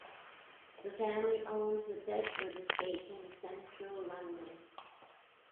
The family owns The Bedford Estate in central London.